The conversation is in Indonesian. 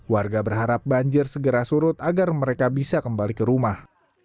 warga berharap banjir segera surut agar mereka bisa kembali ke rumah